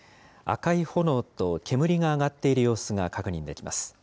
赤い炎と煙が上がっている様子が確認できます。